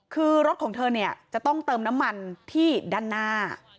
คือรถของเธอเนี่ยจะต้องเติมน้ำมันที่ด้านหน้า